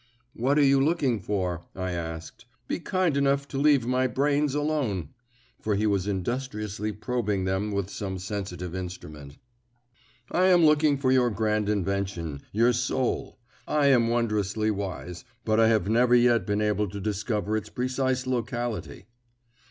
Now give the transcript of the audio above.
"What are you looking for?" I asked. "Be kind enough to leave my brains alone." For he was industriously probing them with some sensitive instrument. "I am looking for your grand invention, your soul. I am wondrously wise, but I have never yet been able to discover its precise locality."